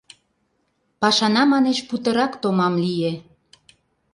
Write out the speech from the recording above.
Пашана, манеш, путырак томам лие.